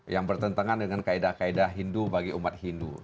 yang bertentangan dengan kaedah kaedah hindu bagi umat hindu